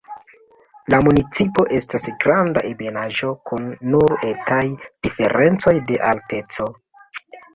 La municipo estas granda ebenaĵo kun nur etaj diferencoj de alteco.